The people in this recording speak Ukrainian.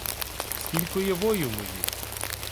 — Скілько є воїв моїх?